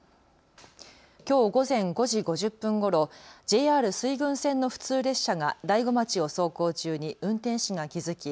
きょう午前５時５０分ごろ、ＪＲ水郡線の普通列車が大子町を走行中に運転士が気付き